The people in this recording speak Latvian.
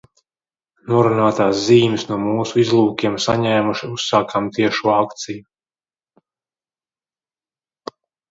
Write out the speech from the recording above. Norunātās zīmes no mūsu izlūkiem saņēmuši, uzsākām tiešo akciju.